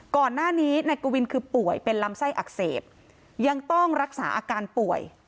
ก่อนหน้านี้นายกวินคือป่วยเป็นลำไส้อักเสบยังต้องรักษาอาการป่วย